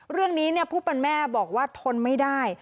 เรื่องนี้ผู้เป็นแม่บอกว่าทนไม่ได้